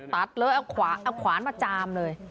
ตัดเลยเอาขวานมาจามเลย